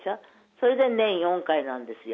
それで年４回なんですよ。